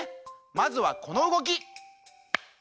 まずはこのうごき。